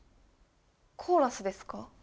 コーラスですか？